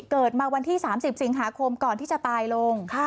เกิดมาวันที่๓๐สิงหาคมก่อนที่จะตายลง